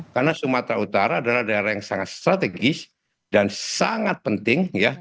karena sumatera utara adalah daerah yang sangat strategis dan sangat penting